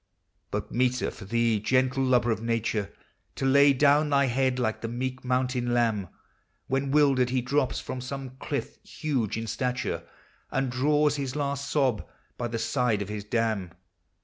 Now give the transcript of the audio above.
But meeter for thee, gentle lover of nature, To lay down thy head like the meek mountain lamb, When, wildered, he drops from some cliff huge in stature, And draws his last sob by the side of his dam.